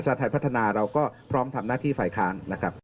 ชาติไทยพัฒนาเราก็พร้อมทำหน้าที่ฝ่ายค้าน